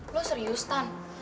lo serius tan